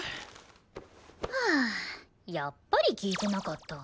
やっぱり聞いてなかった。